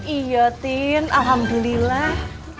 iya tin alhamdulillah